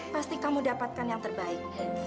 pasti kamu dapatkan yang terbaik